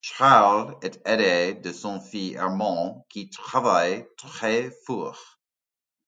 Charles est aidé de son fils Armand qui travaille très fort.